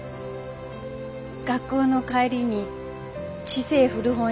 学校の帰りに小せえ古本屋で。